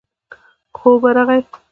خوب ورغی.